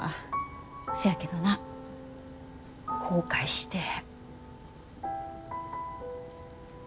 せやけどな後悔してへん。